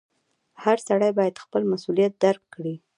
• هر سړی باید خپل مسؤلیت درک کړي.